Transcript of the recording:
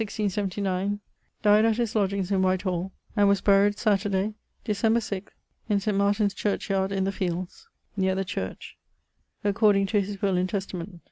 ], 1679, dyed at his lodgeings in Whitehall, and was buried Saturday, December 6, in St. Martyn's churchyard[XXII.] in the Fields, neer the church, according to his will and testament.